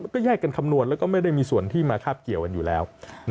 ก็แยกกันคำนวณแล้วก็ไม่ได้มีส่วนที่มาคาบเกี่ยวกันอยู่แล้ว